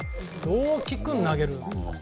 大きく投げる。